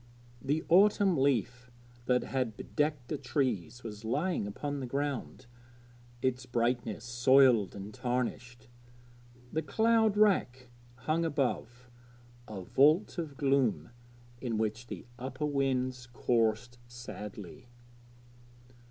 The autumn leaf that had bedecked the trees was lying upon the ground, its brightness soiled and tarnished. The cloud rack hung above, a vault of gloom in which the upper winds coursed sadly.